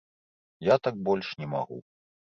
Я так больш не магу.